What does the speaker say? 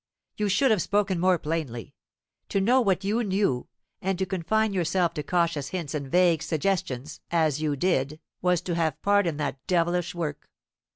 You should have spoken more plainly. To know what you knew, and to confine yourself to cautious hints and vague suggestions, as you did, was to have part in that devilish work.